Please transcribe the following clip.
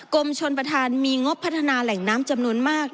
กรมชนประธานมีงบพัฒนาแหล่งน้ำจำนวนมาก